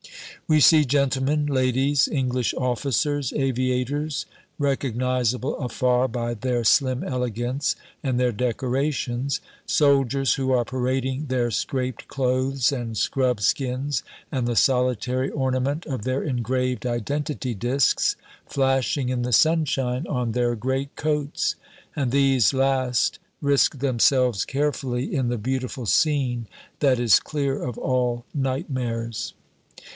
We see gentlemen, ladies, English officers, aviators recognizable afar by their slim elegance and their decorations soldiers who are parading their scraped clothes and scrubbed skins and the solitary ornament of their engraved identity discs, flashing in the sunshine on their greatcoats; and these last risk themselves carefully in the beautiful scene that is clear of all nightmares.